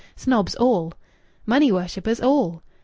Snobs all! Money worshippers all!...